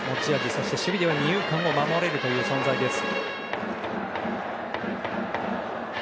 そして守備では二遊間を守れる存在です。